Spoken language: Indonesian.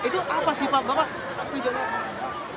itu apa sih pak bapak tunjukkan